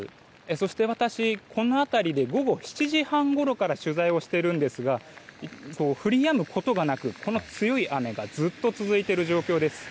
そして、私、この辺りで午後７時半ごろから取材をしているんですが降りやむことがなくこの強い雨がずっと続いている状況です。